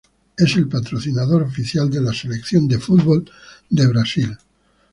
Es el patrocinador oficial de la Selección de fútbol de Brasil.